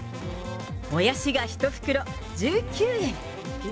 もやしが１袋１９円。